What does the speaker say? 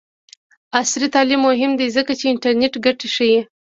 عصري تعلیم مهم دی ځکه چې د انټرنټ ګټې ښيي.